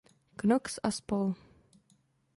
Knox a spol.